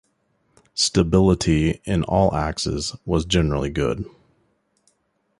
Stability in all axes was generally good.